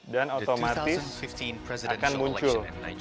dan otomatis akan muncul